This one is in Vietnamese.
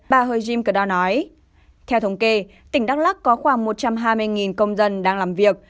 bà hờ jim cờ đò nói theo thống kê tỉnh đắk lắc có khoảng một trăm hai mươi công dân đang làm việc